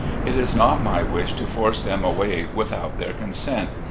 It is not my wish to force them away without their consent.